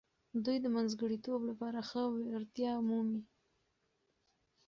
دوی د منځګړیتوب لپاره ښه وړتیا مومي.